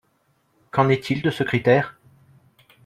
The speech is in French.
Qu’en est-il de ce critère?